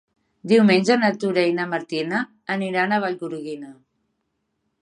Diumenge na Tura i na Martina aniran a Vallgorguina.